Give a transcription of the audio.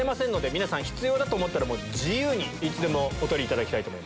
皆さん必要だと思ったら自由にいつでもお取りいただきたい。